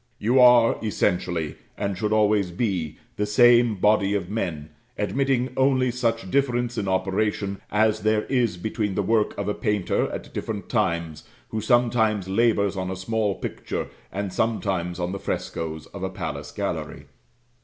You are essentially, and should always be, the same body of men, admitting only such difference in operation as there is between the work of a painter at different times, who sometimes labours on a small picture, and sometimes on the frescoes of a palace gallery.